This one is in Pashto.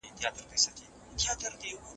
ماشوم په غېږه كي وړي